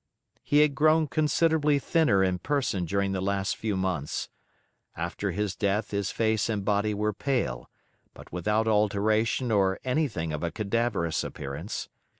He had grown considerably thinner in person during the last few months. After his death his face and body were pale, but without alteration or anything of a cadaverous appearance.